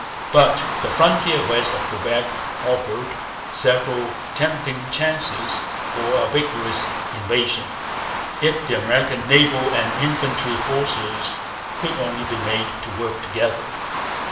But the frontier west of Quebec offered several tempting chances for a vigorous invasion, if the American naval and military forces could only be made to work together.